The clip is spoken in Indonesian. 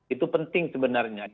itu penting sebenarnya